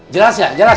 jelas ya jelas